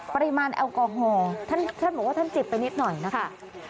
ปริมาณแอลกอฮอล์ท่านบอกว่าท่านจิบไปนิดหน่อยนะคะ